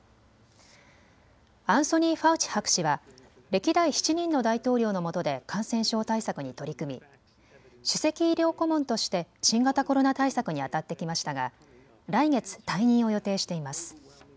アンソニー・ファウチ博士は歴代７人の大統領のもとで感染症対策に取り組み首席医療顧問として新型コロナ対策にあたってきましたが、来月退任を予定しています。